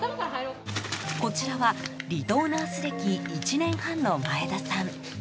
こちらは離島ナース歴１年半の前田さん。